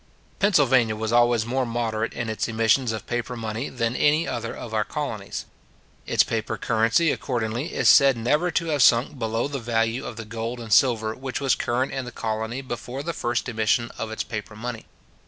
Pennsylvania was always more moderate in its emissions of paper money than any other of our colonies. Its paper currency, accordingly, is said never to have sunk below the value of the gold and silver which was current in the colony before the first emission of its paper money.